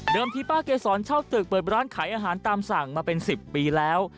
ที่ป้าเกษรเช่าตึกเปิดร้านขายอาหารตามสั่งมาเป็น๑๐ปีแล้ว